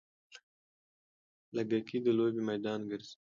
لږکي د لوبې میدان ګرځي.